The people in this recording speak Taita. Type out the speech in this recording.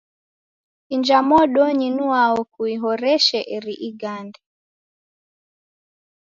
Inja modonyi nwao kuihoreshe eri igande.